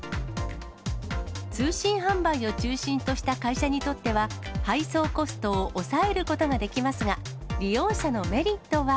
通信販売を中心とした会社にとっては、配送コストを抑えることができますが、利用者のメリットは。